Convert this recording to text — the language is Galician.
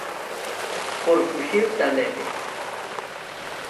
Por fuxir da neve.